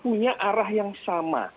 punya arah yang sama